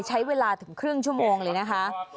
ใช้เวลาถึงครึ่งชั่วโมงเลยนะคะ